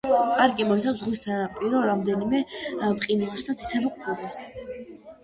პარკი მოიცავს ზღვის სანაპირო რამდენიმე მყინვარს და ციცაბო ყურეს.